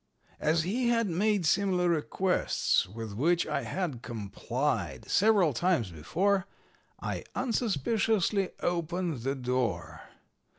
As he had made similar requests, with which I had complied, several times before, I unsuspiciously opened the door.